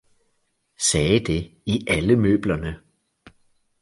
sagde det i alle møblerne.